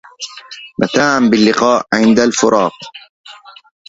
متعا باللقاء عند الفراق